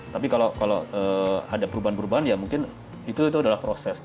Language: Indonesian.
tapi kalau ada perubahan perubahan ya mungkin itu adalah proses